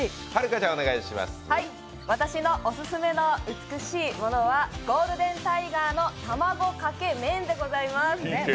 私のオススメの美しいものはゴールデンタイガーの卵かけ麺でございます。